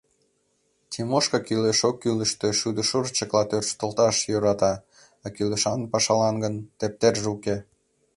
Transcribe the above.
Тимошка кӱлеш-оккӱлыштӧ шудышырчыкла тӧрштылаш йӧрата, а кӱлешан пашалан гын — тептерже уке.